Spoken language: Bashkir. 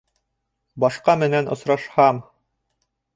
Башҡа менән осрашһам...